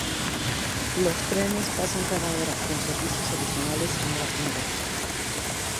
Los trenes pasan cada hora, con servicios adicionales en hora punta.